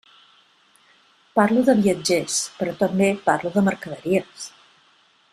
Parlo de viatgers, però també parlo de mercaderies.